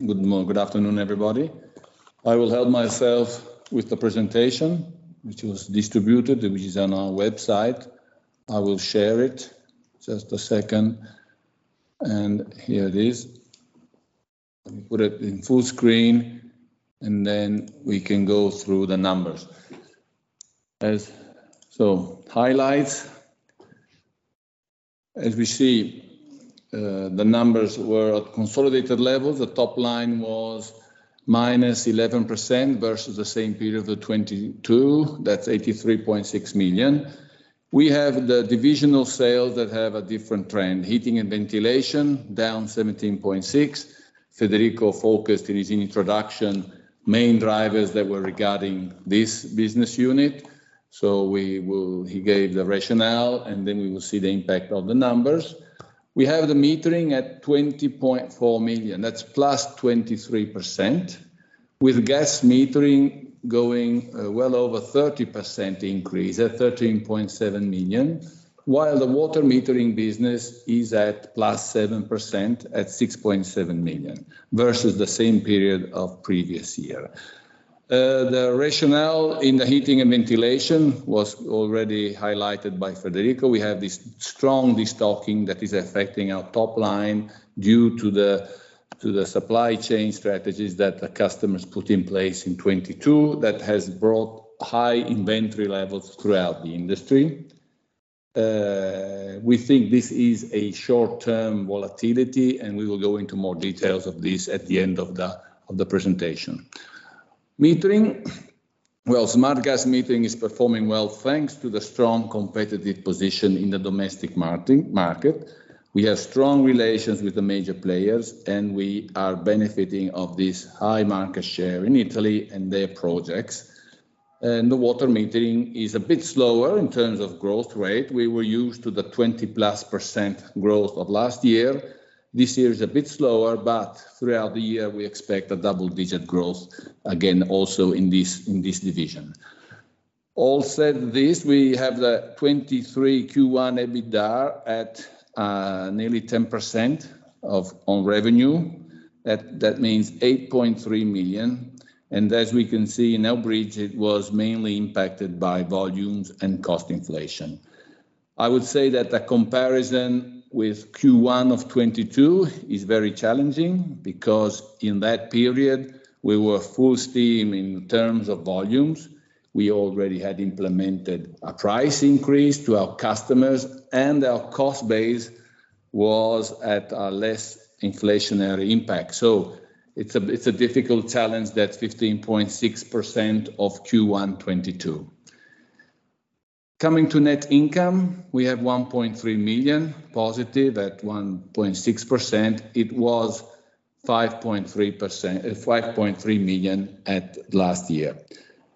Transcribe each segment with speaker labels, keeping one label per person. Speaker 1: Good afternoon, everybody. I will help myself with the presentation which was distributed, which is on our website. I will share it. Just a second. Here it is. Let me put it in full screen, and then we can go through the numbers. Highlights. As we see, the numbers were at consolidated level. The top line was minus 11% versus the same period of 2022. That's 83.6 million. We have the divisional sales that have a different trend. Heating & Ventilation down 17.6%. Federico focused in his introduction main drivers that were regarding this business unit. He gave the rationale, and then we will see the impact of the numbers. We have the Metering at 20.4 million, that's +23%. With gas metering going, well over 30% increase at 13.7 million, while the Water Metering business is at +7% at 6.7 million versus the same period of previous year. The rationale in the Heating & Ventilation was already highlighted by Federico. We have this strong destocking that is affecting our top line due to the, to the supply chain strategies that the customers put in place in 2022 that has brought high inventory levels throughout the industry. We think this is a short-term volatility, and we will go into more details of this at the end of the, of the presentation. Metering, well, Smart Gas Metering is performing well thanks to the strong competitive position in the domestic market. We have strong relations with the major players, and we are benefiting of this high market share in Italy and their projects. The Water Metering is a bit slower in terms of growth rate. We were used to the 20+% growth of last year. This year is a bit slower, but throughout the year we expect a double-digit growth again also in this division. All said this, we have the 2023 Q1 EBITDA at nearly 10% of on revenue. That means 8.3 million. As we can see in our bridge, it was mainly impacted by volumes and cost inflation. I would say that the comparison with Q1 of 2022 is very challenging because in that period we were full steam in terms of volumes. We already had implemented a price increase to our customers and our cost base was at a less inflationary impact. It's a difficult challenge, that 15.6% of Q1 2022. Coming to net income, we have 1.3 million positive at 1.6%. It was 5.3%, 5.3 million at last year,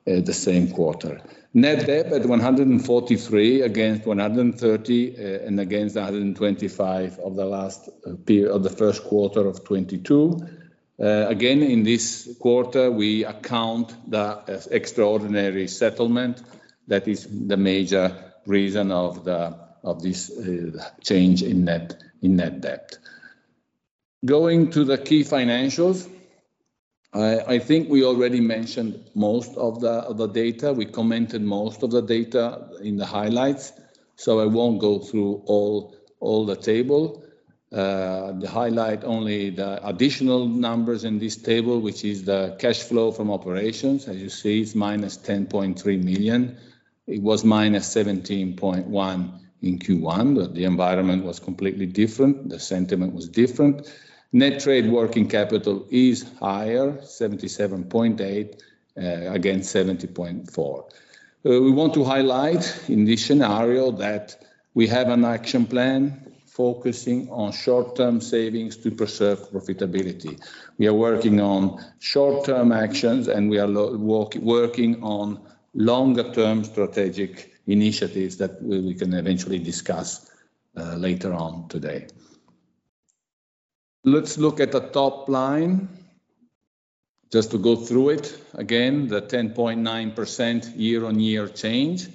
Speaker 1: the same quarter. Net debt at 143 against 130, and against 125 of the last period, of the Q1 of 2022. Again, in this quarter we account the as extraordinary settlement. That is the major reason of this change in net debt. Going to the key financials, I think we already mentioned most of the data. We commented most of the data in the highlights. I won't go through all the table. The highlight only the additional numbers in this table, which is the cash flow from operations. As you see, it's minus 10.3 million. It was minus 17.1 in Q1. The environment was completely different. The sentiment was different. Net trade working capital is higher, 77.8 against 70.4. We want to highlight in this scenario that we have an action plan focusing on short-term savings to preserve profitability. We are working on short-term actions. We are working on longer term strategic initiatives that we can eventually discuss later on today. Let's look at the top line. Just to go through it. Again, the 10.9% year-on-year change.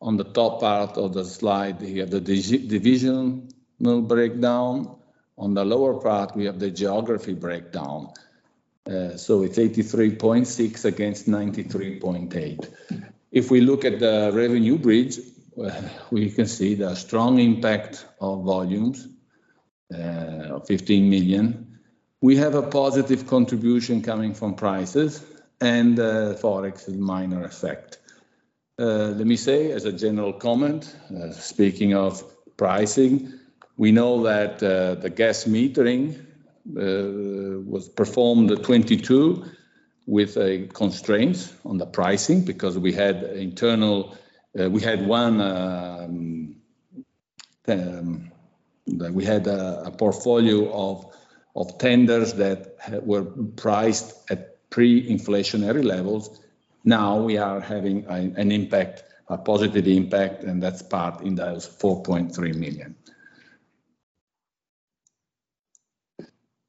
Speaker 1: On the top part of the slide, we have the division breakdown. On the lower part, we have the geography breakdown. It's 83.6 against 93.8. If we look at the revenue bridge, we can see the strong impact of volumes of 15 million. We have a positive contribution coming from prices and Forex is minor effect. Let me say as a general comment, speaking of pricing, we know that the gas metering was performed at 2022 with a constraint on the pricing because we had internal, we had one, we had a portfolio of tenders that were priced at pre-inflationary levels. Now we are having an impact, a positive impact, and that's part in those 4.3 million.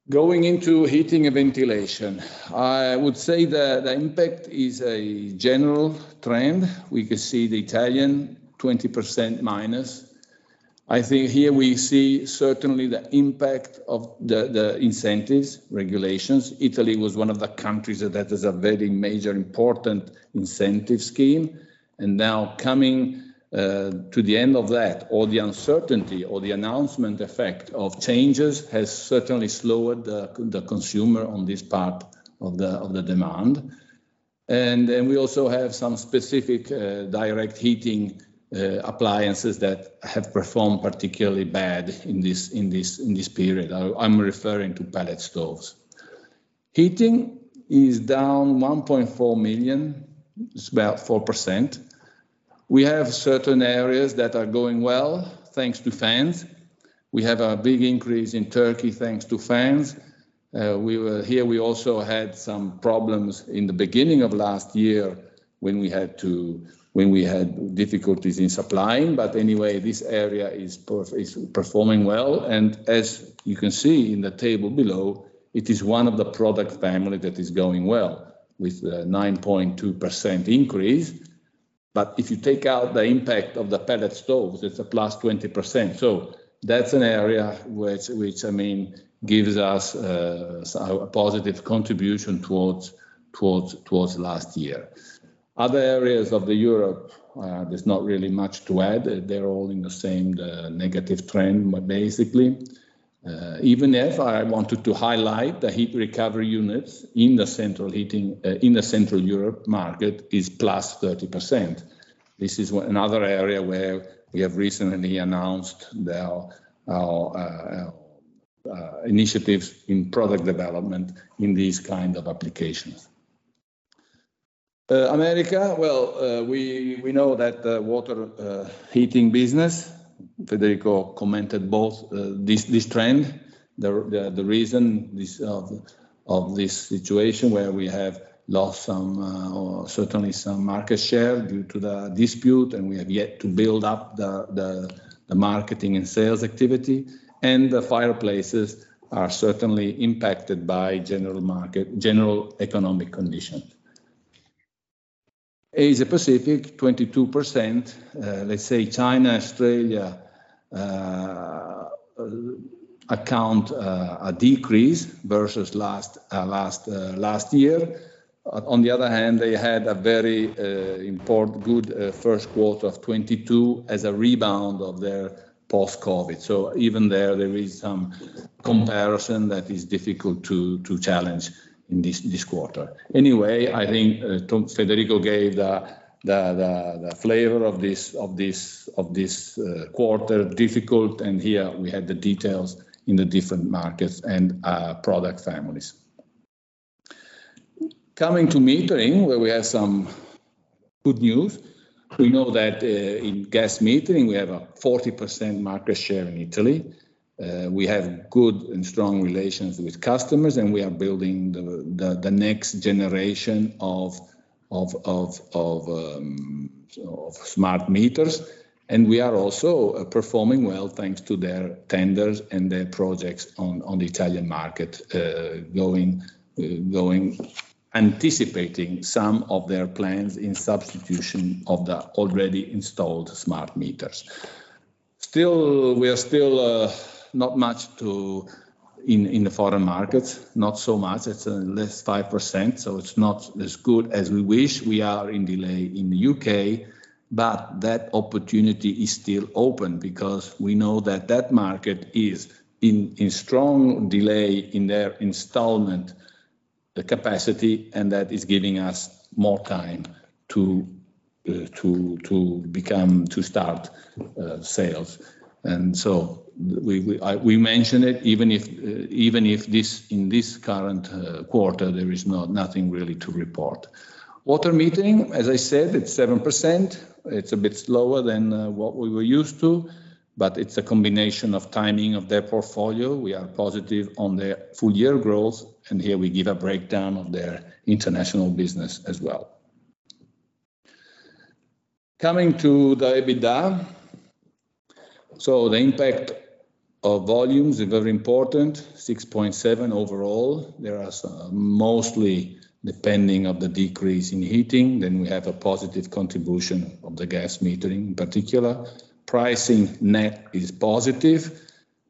Speaker 1: Going into Heating & Ventilation, I would say the impact is a general trend. We can see the Italian 20% minus. I think here we see certainly the impact of the incentives, regulations. Italy was one of the countries that has a very major important incentive scheme. Now coming to the end of that or the uncertainty or the announcement effect of changes has certainly slowed the consumer on this part of the demand. We also have some specific direct heating appliances that have performed particularly bad in this period. I'm referring to pellet stoves. Heating is down 1.4 million. It's about 4%. We have certain areas that are going well, thanks to fans. We have a big increase in Turkey, thanks to fans. We were. Here we also had some problems in the beginning of last year when we had difficulties in supplying. Anyway, this area is performing well. As you can see in the table below, it is one of the product family that is going well with a 9.2% increase. If you take out the impact of the pellet stoves, it's a plus 20%. That's an area which, I mean, gives us a positive contribution towards last year. Other areas of the Europe, there's not really much to add. They're all in the same negative trend, basically, even if I wanted to highlight the heat recovery units in the central heating, in the Central Europe market is plus 30%. This is another area where we have recently announced the our initiatives in product development in these kind of applications. America, well, we know that the water heating business, Federico commented both this trend, the reason this situation where we have lost some or certainly some market share due to the dispute, and we have yet to build up the marketing and sales activity, and the fireplaces are certainly impacted by general market, general economic condition. Asia Pacific, 22%. Let's say China, Australia account a decrease versus last year. On the other hand, they had a very import good Q1 of 2022 as a rebound of their post-COVID. Even there is some comparison that is difficult to challenge in this quarter. Anyway, I think Tom Federico gave the flavor of this quarter, difficult, and here we have the details in the different markets and product families. Coming to metering, where we have some good news. We know that in gas metering, we have a 40% market share in Italy. We have good and strong relations with customers, and we are building the next generation of smart meters. We are also performing well thanks to their tenders and their projects on the Italian market, anticipating some of their plans in substitution of the already installed smart meters. Still, we are not much to. in the foreign markets, not so much. It's less 5%, so it's not as good as we wish. We are in delay in the U.K., but that opportunity is still open because we know that that market is in strong delay in their installment capacity, and that is giving us more time to become, to start sales. So we, I, we mention it even if, even if this, in this current quarter, there is nothing really to report. Water Metering, as I said, it's 7%. It's a bit slower than what we were used to, but it's a combination of timing of their portfolio. We are positive on their full year growth, here we give a breakdown of their international business as well. Coming to the EBITDA, the impact of volumes is very important, 6.7 overall. There are some, mostly depending of the decrease in heating, then we have a positive contribution of the gas metering in particular. Pricing net is positive,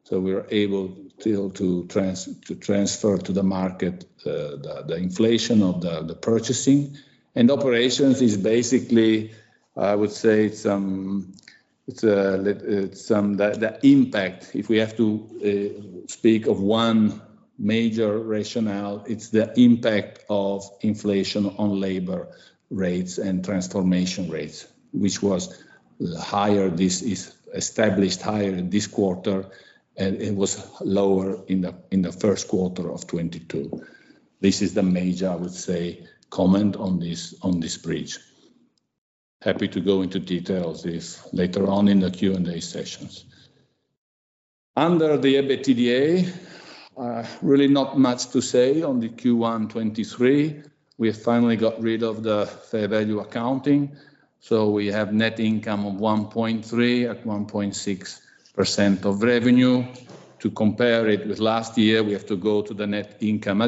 Speaker 1: we're able still to transfer to the market, the inflation of the purchasing. Operations is basically, I would say some, The impact, if we have to speak of one major rationale, it's the impact of inflation on labor rates and transformation rates, which was established higher this quarter, and it was lower in the Q1 of 2022. This is the major, I would say, comment on this, on this bridge. Happy to go into details if later on in the Q&A sessions. Under the EBITDA, really not much to say on the Q1 2023. We finally got rid of the fair value accounting, we have net income of 1.3 million at 1.6% of revenue. To compare it with last year, we have to go to the adjusted net income,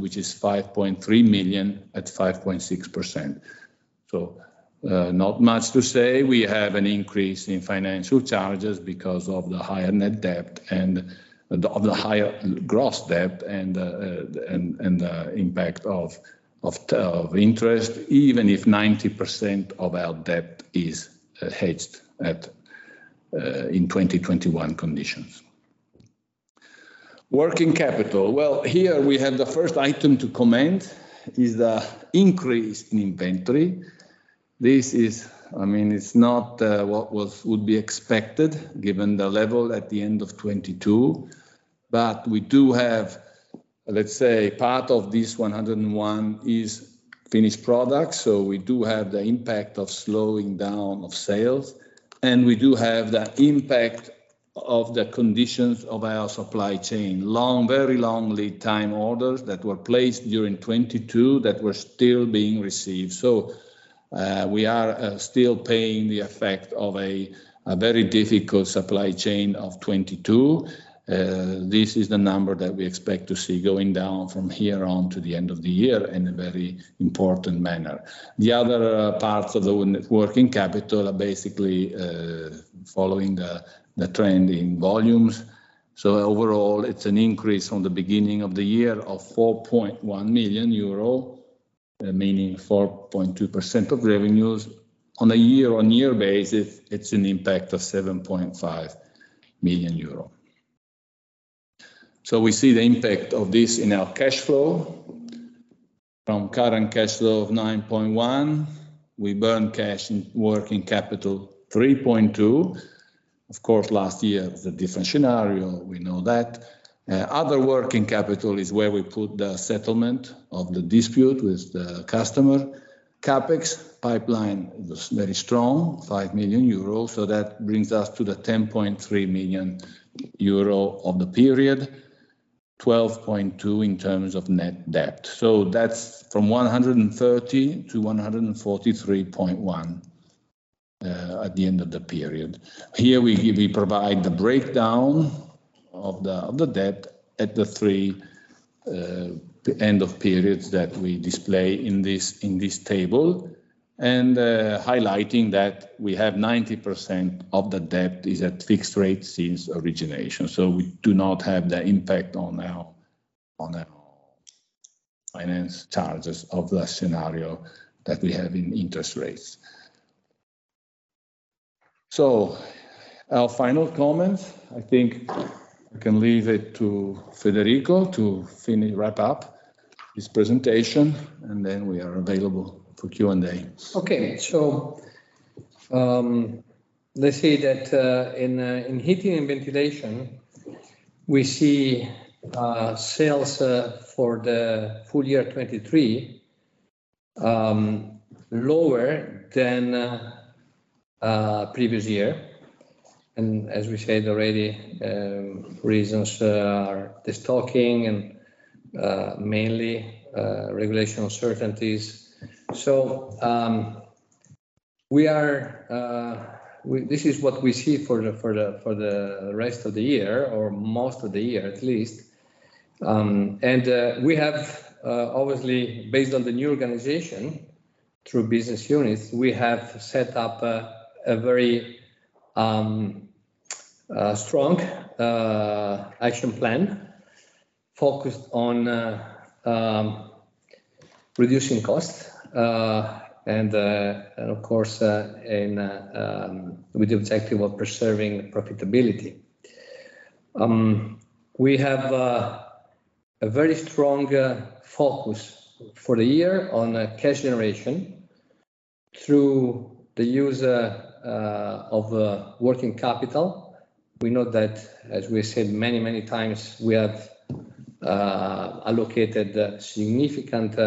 Speaker 1: which is 5.3 million at 5.6%. Not much to say. We have an increase in financial charges because of the higher net debt and of the higher gross debt and the impact of interest, even if 90% of our debt is hedged at in 2021 conditions. Working capital. Well, here we have the first item to comment, is the increase in inventory. This is. I mean, it's not what would be expected given the level at the end of 2022. We do have, let's say, part of this 101 is finished product, we do have the impact of slowing down of sales, we do have the impact of the conditions of our supply chain. Long, very long lead time orders that were placed during 2022 that were still being received. We are still paying the effect of a very difficult supply chain of 2022. This is the number that we expect to see going down from here on to the end of the year in a very important manner. The other parts of the working capital are basically following the trend in volumes. Overall, it's an increase from the beginning of the year of 4.1 million euro, meaning 4.2% of revenues. On a year-on-year basis, it's an impact of 7.5 million euro. We see the impact of this in our cash flow. From current cash flow of 9.1, we burn cash in working capital 3.2. Of course, last year was a different scenario, we know that. Other working capital is where we put the settlement of the dispute with the customer. CapEx pipeline was very strong, 5 million euros, that brings us to the 10.3 million euro of the period, 12.2 in terms of net debt. That's from 130 to 143.1 at the end of the period. Here we provide the breakdown of the debt at the 3 end of periods that we display in this, in this table, and highlighting that we have 90% of the debt is at fixed rate since origination. We do not have the impact on our, on our finance charges of the scenario that we have in interest rates. Our final comments, I think I can leave it to Federico to finish, wrap up this presentation, and then we are available for Q&A.
Speaker 2: Okay. Let's say that in Heating & Ventilation, we see sales for the full year 2023, lower than previous year. As we said already, reasons are destocking and mainly regulation uncertainties. We are, this is what we see for the rest of the year, or most of the year at least. We have obviously, based on the new organization through business units, we have set up a very strong action plan focused on reducing costs. Of course, with the objective of preserving profitability. We have a very strong focus for the year on cash generation through the use of working capital. We know that, as we said many, many times, we have allocated significant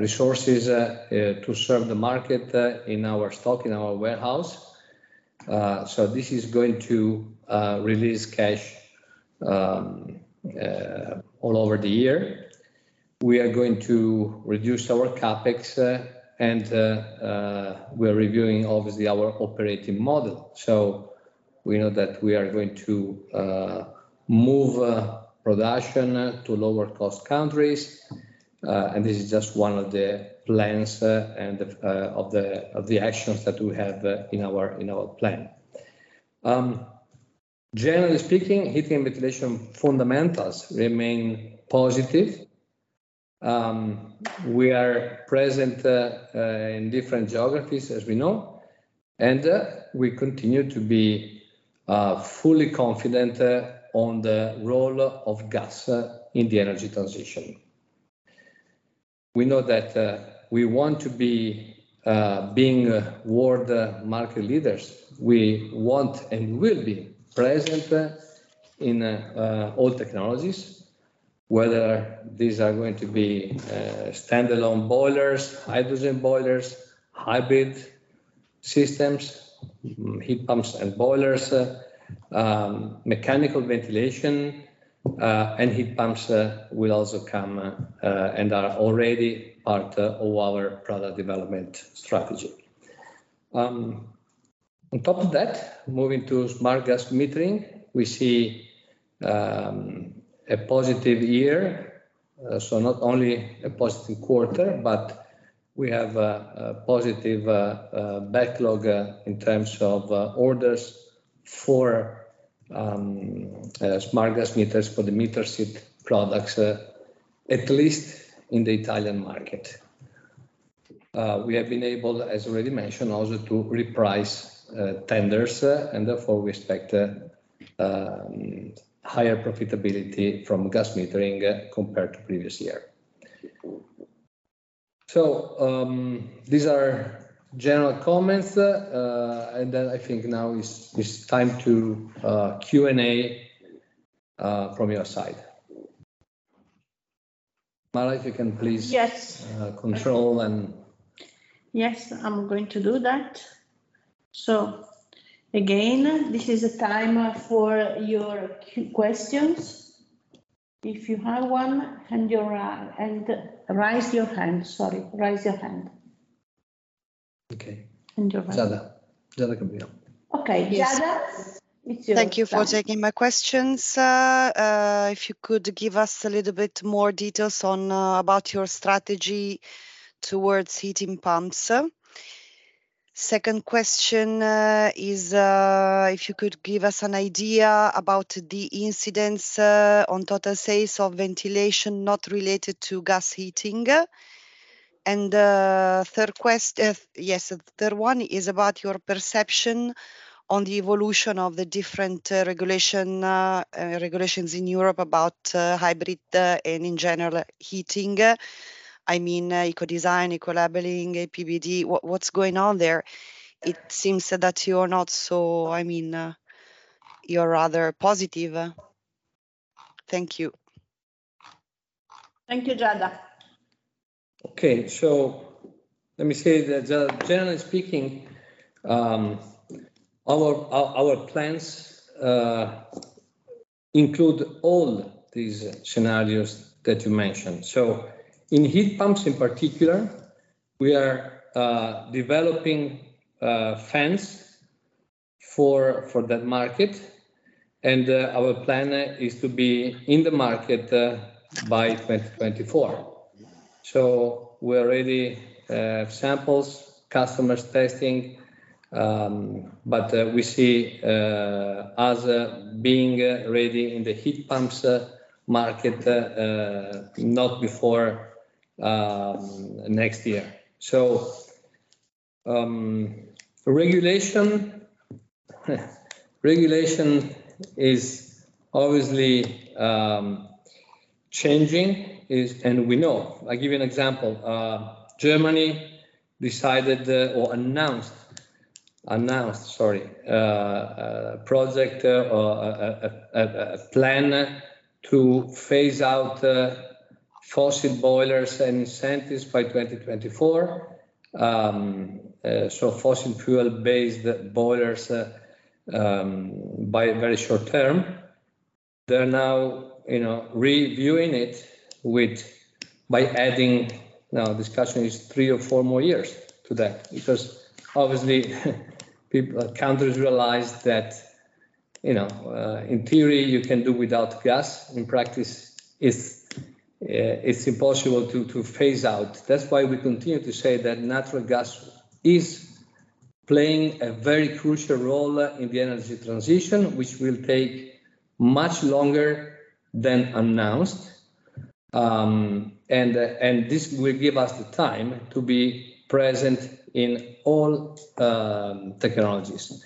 Speaker 2: resources to serve the market in our stock, in our warehouse. This is going to release cash all over the year. We are going to reduce our CapEx and we are reviewing obviously our operating model. We know that we are going to move production to lower cost countries. This is just one of the plans and the of the of the actions that we have in our in our plan. Generally speaking, Heating and Ventilation fundamentals remain positive. We are present in different geographies, as we know, and we continue to be fully confident on the role of gas in the energy transition. We know that we want to be being world market leaders. We want and will be present in all technologies, whether these are going to be standalone boilers, hydrogen boilers, hybrid systems, heat pumps and boilers. Mechanical ventilation and heat pumps will also come and are already part of our product development strategy. On top of that, moving to Smart Gas Metering, we see a positive year. Not only a positive quarter, but we have a positive backlog in terms of orders for Smart Gas Meters for the Metersit products, at least in the Italian market. We have been able, as already mentioned, also to reprice tenders, and therefore we expect higher profitability from Smart Gas Metering compared to previous year. These are general comments. I think now is time to Q&A from your side. Mara, if you can please.
Speaker 1: Yes
Speaker 2: control.
Speaker 1: Yes, I'm going to do that. Again, this is the time for your questions. If you have one and you're. Raise your hand. Sorry. Raise your hand.
Speaker 2: Okay.
Speaker 1: And your-
Speaker 2: Giada. Giada can be up.
Speaker 1: Okay. Giada, it's your turn.
Speaker 3: Thank you for taking my questions. If you could give us a little bit more details about your strategy towards heat pumps. Second question is if you could give us an idea about the incidents on total sales of mechanical ventilation not related to gas heating. Third one is about your perception on the evolution of the different regulations in Europe about hybrid systems and in general heating. I mean, Ecodesign, energy labelling, EPBD. What's going on there? It seems that you are not so. I mean, you're rather positive. Thank you.
Speaker 1: Thank you, Giada.
Speaker 2: Okay. Let me say that, generally speaking, our plans include all these scenarios that you mentioned. In heat pumps in particular, we are developing fans for that market, and our plan is to be in the market by 2024. We're ready, samples, customers testing, but we see us being ready in the heat pumps market not before next year. Regulation is obviously changing, and we know. I give you an example. Germany decided or announced, sorry, project or a plan to Phase out fossil boilers and incentives by 2024. Fossil fuel-based boilers by a very short term. They're now, you know, reviewing it with, by adding, now discussion is three or four more years to that because obviously people, countries realize that, you know, in theory, you can do without gas. In practice, it's impossible to Phase out. That's why we continue to say that natural gas is playing a very crucial role in the energy transition, which will take much longer than announced. This will give us the time to be present in all technologies.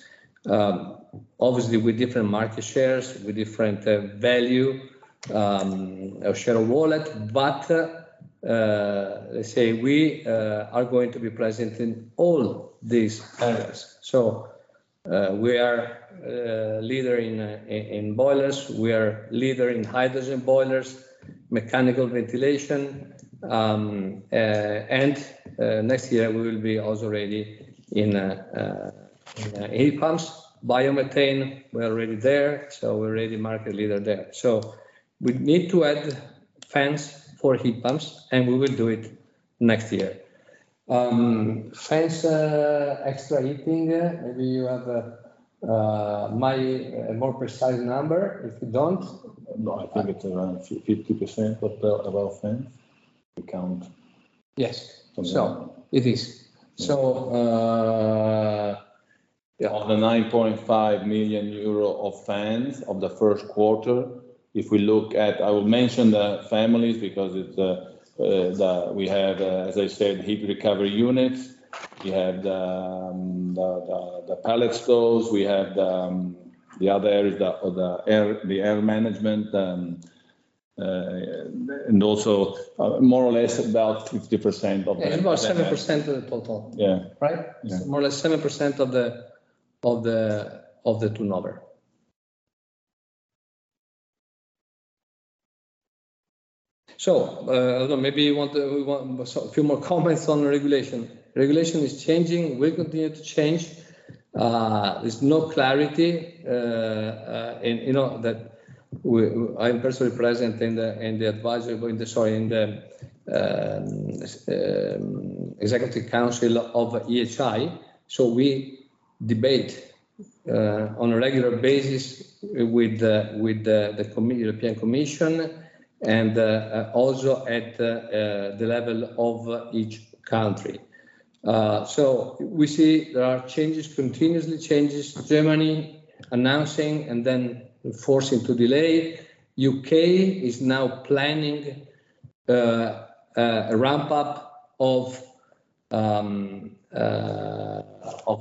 Speaker 2: Obviously with different market shares, with different value or share of wallet. Let's say we are going to be present in all these areas. We are leader in in boilers. We are leader in hydrogen boilers, mechanical ventilation. Next year we will be also ready in heat pumps. Biomethane, we're already there, so we're already market leader there. We need to add fans for heat pumps, and we will do it next year. Fans, extra heating, maybe you have Mai, a more precise number. If you don't-.
Speaker 4: No, I think it's around 50% of our fans, if we count.
Speaker 2: Yes.
Speaker 4: From the-
Speaker 2: So it is.
Speaker 4: Of the 9.5 million euro of fans of the Q1, I will mention the families because it's the. We have, as I said, heat recovery units. We have the pellet stoves. We have the other areas, the air management, also more or less about 50%.
Speaker 2: about 7% of the total.
Speaker 4: Yeah.
Speaker 2: Right?
Speaker 4: Yeah.
Speaker 2: More or less 7% of the 2 number. I don't know, maybe we want a few more comments on regulation. Regulation is changing, will continue to change. There's no clarity, you know, that we. I'm personally present in the advisory board, sorry, in the executive council of EHI, so we debate on a regular basis with the European Commission and also at the level of each country. We see there are changes, continuously changes. Germany announcing and then forcing to delay. U.K. is now planning a ramp up of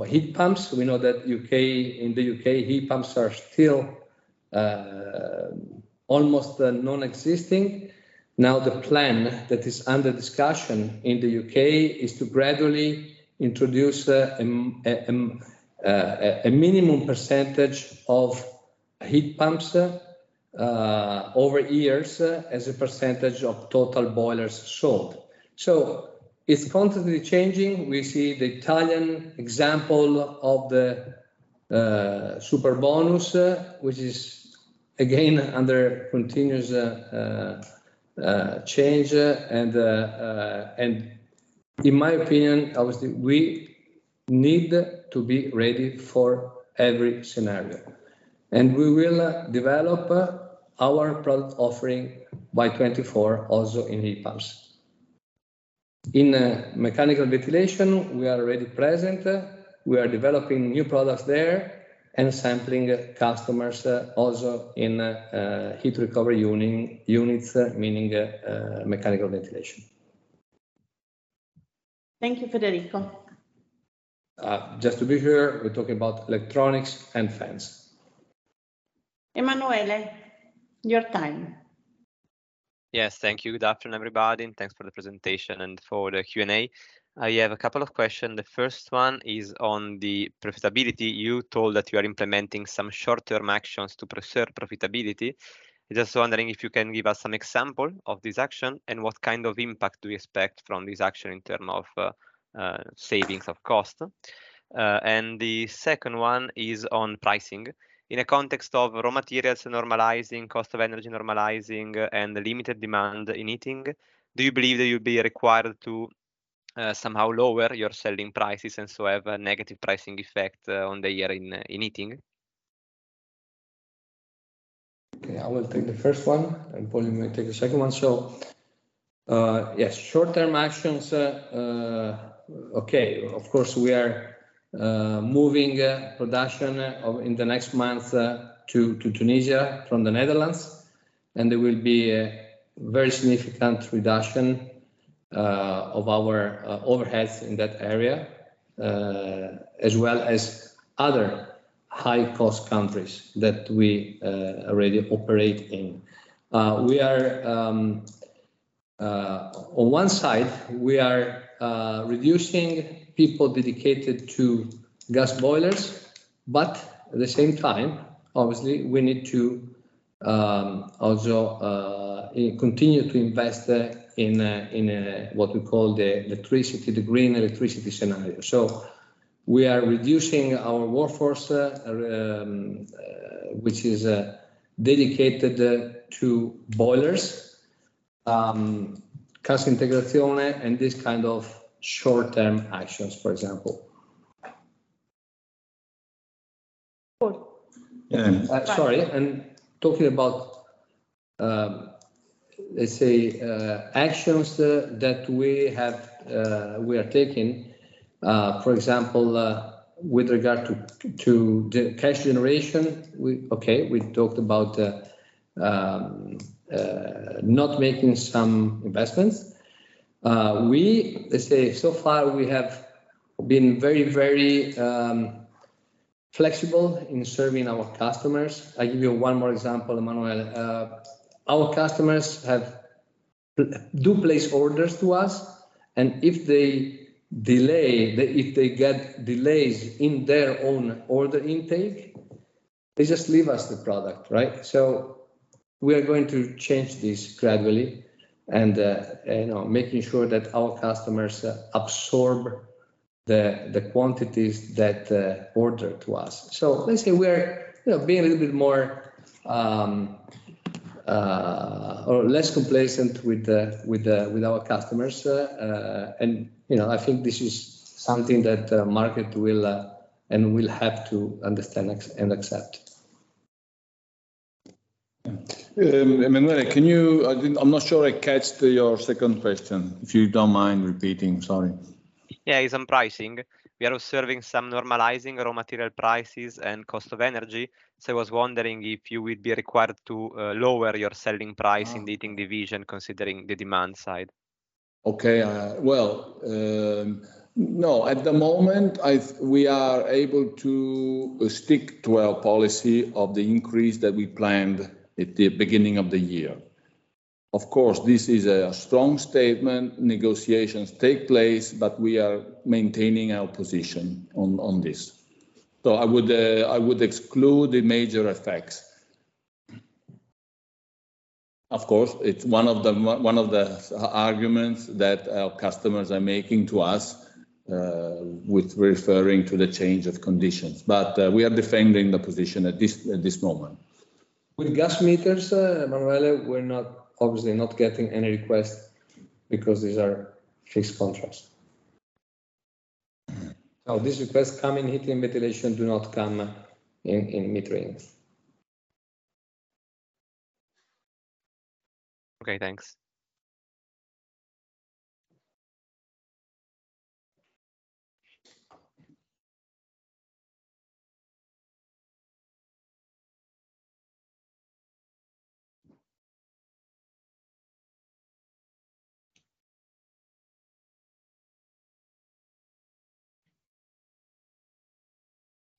Speaker 2: heat pumps. We know that U.K., in the U.K., heat pumps are still almost non-existing. The plan that is under discussion in the UK is to gradually introduce a minimum percentage of heat pumps over years as a percentage of total boilers sold. It's constantly changing. We see the Italian example of the Superbonus, which is again under continuous change, and in my opinion, obviously we need to be ready for every scenario, and we will develop our product offering by 2024 also in heat pumps. In mechanical ventilation, we are already present. We are developing new products there and sampling customers also in heat recovery units, meaning mechanical ventilation.
Speaker 5: Thank you, Federico.
Speaker 2: Just to be clear, we're talking about electronics and fans.
Speaker 5: Emanuele, your time.
Speaker 3: Yes. Thank you. Good afternoon, everybody, and thanks for the presentation and for the Q&A. I have a couple of questions. The first one is on the profitability. You told that you are implementing some short-term actions to preserve profitability. Just wondering if you can give us some example of this action and what kind of impact do you expect from this action in term of savings of cost? The second one is on pricing. In a context of raw materials normalizing, cost of energy normalizing, and limited demand in heating, do you believe that you'll be required to somehow lower your selling prices and so have a negative pricing effect on the year in heating?
Speaker 2: I will take the first one, and Paolo may take the second one. Yes, short-term actions. Of course, we are moving production in the next month to Tunisia from the Netherlands, and there will be a very significant reduction of our overheads in that area, as well as other high-cost countries that we already operate in. We are on one side, we are reducing people dedicated to gas boilers, but at the same time, obviously, we need to also continue to invest in what we call the electricity, the green electricity scenario. We are reducing our workforce, which is dedicated to boilers, cassa integrazione, and this kind of short-term actions, for example.
Speaker 5: Paolo.
Speaker 2: Yeah.
Speaker 5: Go on.
Speaker 2: Sorry. Talking about, let's say, actions that we are taking, for example, with regard to the cash generation, we talked about not making some investments. We, let's say, so far we have been very, very flexible in serving our customers. I give you one more example, Emanuele. Our customers do place orders to us, and if they get delays in their own order intake, they just leave us the product, right? We are going to change this gradually and, you know, making sure that our customers absorb the quantities that order to us. Let's say we're, you know, being a little bit more or less complacent with our customers. You know, I think this is something that the market will, and will have to understand and accept.
Speaker 1: Emanuele, I'm not sure I caught your second question, if you don't mind repeating. Sorry.
Speaker 3: It's on pricing. We are observing some normalizing raw material prices and cost of energy, so I was wondering if you would be required to lower your selling price in heating division, considering the demand side.
Speaker 1: Well, no. At the moment, we are able to stick to our policy of the increase that we planned at the beginning of the year. Of course, this is a strong statement. Negotiations take place, but we are maintaining our position on this. I would exclude the major effects. Of course, it's one of the arguments that our customers are making to us, with referring to the change of conditions. We are defending the position at this, at this moment.
Speaker 2: With gas meters, Emanuele, obviously not getting any requests because these are fixed contracts.
Speaker 1: These requests come in Heating & Ventilation, do not come in Metering.
Speaker 3: Okay, thanks.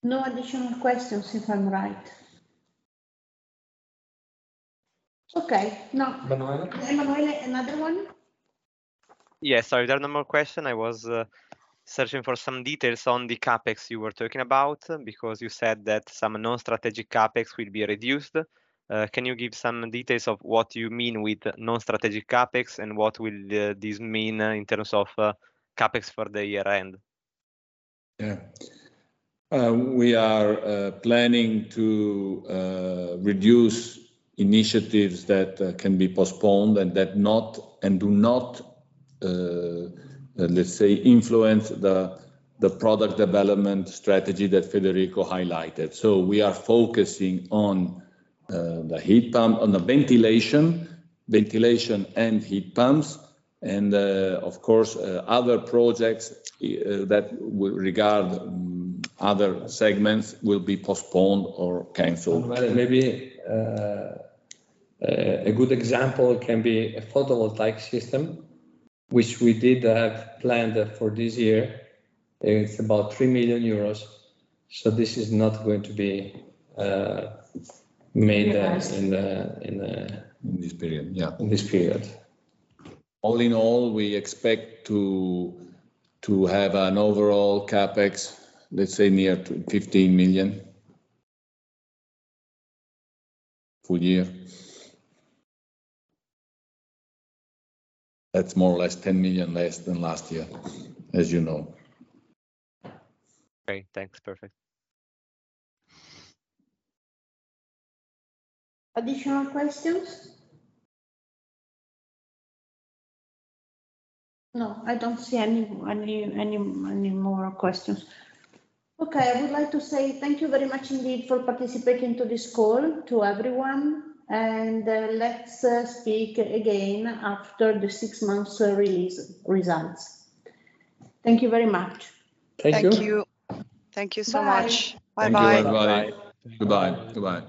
Speaker 5: No additional questions, if I'm right. Okay. Now.
Speaker 1: Emanuele?
Speaker 5: Emanuele, another one?
Speaker 3: Sorry, there are no more question. I was searching for some details on the CapEx you were talking about, because you said that some non-strategic CapEx will be reduced. Can you give some details of what you mean with non-strategic CapEx, and what will this mean in terms of CapEx for the year end?
Speaker 1: We are planning to reduce initiatives that can be postponed and do not, let's say, influence the product development strategy that Federico highlighted. We are focusing on the heat pump, on the ventilation and heat pumps, and, of course, other projects that we regard other segments will be postponed or canceled.
Speaker 2: Emanuele, maybe, a good example can be a photovoltaic system, which we did have planned for this year. It's about 3 million euros. This is not going to be, made.
Speaker 5: Invest
Speaker 2: in.
Speaker 1: In this period, yeah.
Speaker 2: In this period.
Speaker 1: All in all, we expect to have an overall CapEx, let's say, near to 15 million full year. That's more or less 10 million less than last year, as you know.
Speaker 3: Great. Thanks. Perfect.
Speaker 5: Additional questions? No, I don't see any more questions. Okay. I would like to say thank you very much indeed for participating to this call, to everyone, and let's speak again after the six months release results. Thank you very much.
Speaker 2: Thank you.
Speaker 3: Thank you. Thank you so much.
Speaker 5: Bye.
Speaker 3: Bye-bye.
Speaker 1: Thank you, everybody.
Speaker 2: Bye-bye.
Speaker 1: Goodbye. Goodbye